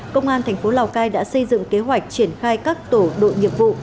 công an thành phố lào cai đã xây dựng kế hoạch triển khai các tổ đội nghiệp vụ